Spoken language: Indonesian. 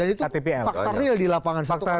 dan itu fakta real di lapangan satu enam juta